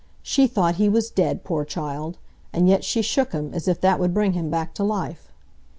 She thought he was dead, poor child! and yet she shook him, as if that would bring him back to life.